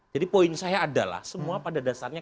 jadi poin saya adalah semua pada dasarnya